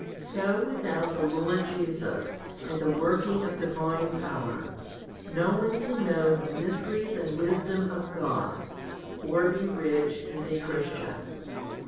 So without the Lord Jesus, and the working of divine power, no one can know the mysteries and wisdom of God, or be rich and a Christian.